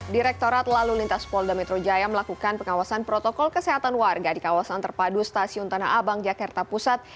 direktorat lalu lintas polda metro jaya melakukan pengawasan protokol kesehatan warga di kawasan terpadu stasiun tanah abang jakarta pusat